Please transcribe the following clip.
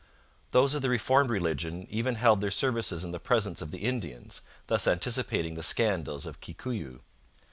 Those of the reformed religion even held their services in the presence of the Indians, thus anticipating the scandals of Kikuyu.